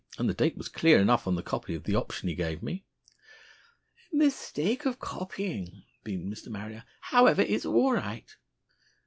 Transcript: And the date was clear enough on the copy of the option he gave me." "A mistake of copying," beamed Mr. Marrier. "However, it's all right."